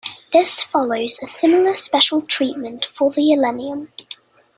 This follows a similar special treatment for The Elenium.